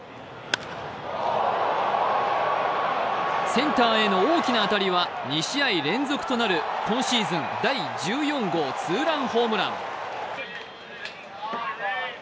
センターへの大きな当たりは２試合連続となる今シーズン第１４号ツーランホームラン。